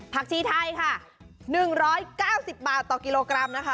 ชีไทยค่ะ๑๙๐บาทต่อกิโลกรัมนะคะ